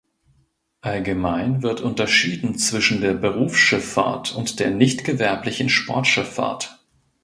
Allgemein wird unterschieden zwischen der Berufsschifffahrt und der nicht gewerblichen Sportschifffahrt.